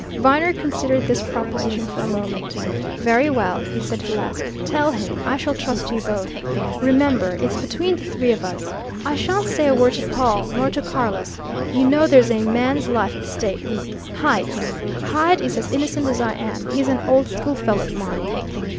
Viner considered this proposition for a moment. "Very well!" he said at last. "Tell him I shall trust you both. Remember it's between the three of us. I shan't say a word to Pawle, nor to Carless. You know there's a man's life at stake Hyde's! Hyde is as innocent as I am he's an old schoolfellow of mine."